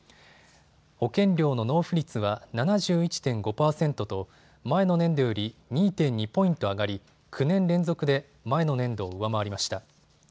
保険料の納付率は７１．５％と前の年度より２．２ポイント上がり、９年連続で前の年度を上回りました。